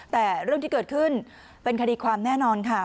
แต่เรื่องที่เกิดขึ้นเป็นคดีความแน่นอนค่ะ